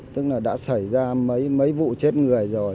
tức là đã xảy ra mấy mấy vụ chết người rồi